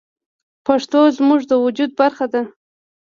پښتو زموږ د وجود برخه ده.